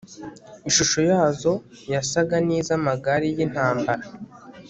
Ishusho yazo yasaga n iz amagare y intambara